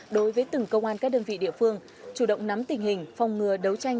đối với từng công an các đơn vị địa phương chủ động nắm tình hình phòng ngừa đấu tranh